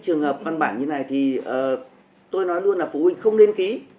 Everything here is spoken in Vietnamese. trường hợp văn bản như này thì tôi nói luôn là phụ huynh không nên ký